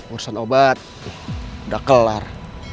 urusan obat udah kelar